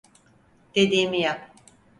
Dediğimi yap.